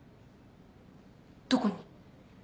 どこに？